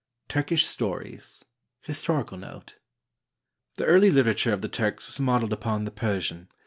IV TURKISH STORIES HISTORICAL NOTE The early literature of the Turks was modeled upon the Per sian.